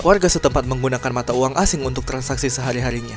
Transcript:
warga setempat menggunakan mata uang asing untuk transaksi sehari harinya